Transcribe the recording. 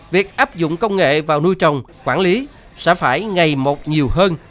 việc áp dụng công nghệ vào nuôi trồng quản lý sẽ phải ngày một nhiều hơn